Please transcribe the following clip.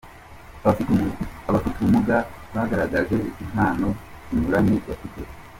Abafite ubumuga bagaragaje impano zinyuranye bafite.